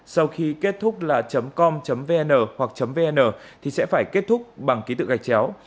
sau khi kết thúc là com vn hoặc vn thì sẽ phải kết thúc bằng ký tự gạch chéo